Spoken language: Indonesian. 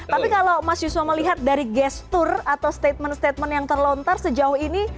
tapi kalau mas yusuf melihat dari gestur atau statement statement yang terlontar sejauh ini